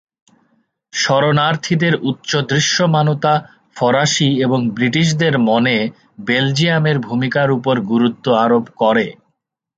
শরণার্থীদের উচ্চ দৃশ্যমানতা ফরাসি এবং ব্রিটিশদের মনে বেলজিয়ামের ভূমিকার উপর গুরুত্ব আরোপ করে।